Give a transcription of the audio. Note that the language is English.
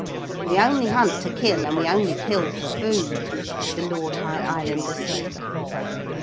'We only hunt to kill and we only kill for food,' the Lord High Islander said.